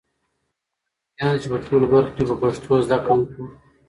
آیا ممکنه ده چې په ټولو برخو کې په پښتو زده کړه وکړو؟